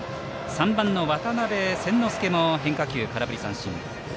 ３番の渡邉千之亮も変化球、空振り三振。